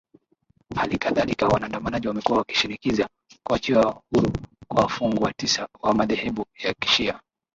hali kadhalika waandamanaji wamekuwa wakishinikiza kuachiwa huru kwa wafungwa tisa wa madhehebu ya kishia